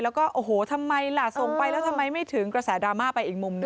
แล้วก็โอ้โหทำไมล่ะส่งไปแล้วทำไมไม่ถึงกระแสดราม่าไปอีกมุมหนึ่ง